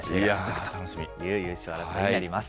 という優勝争いになります。